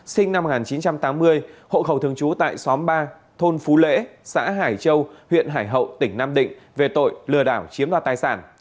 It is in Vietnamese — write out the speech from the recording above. sinh năm một nghìn chín trăm tám mươi hộ khẩu thường trú tại xóm ba thôn phú lễ xã hải châu huyện hải hậu tỉnh nam định về tội lừa đảo chiếm đoạt tài sản